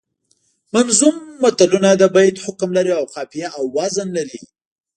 منظوم متلونه د بیت حکم لري او قافیه او وزن لري